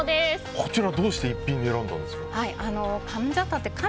こちらはどうして逸品に選ばれたんですか？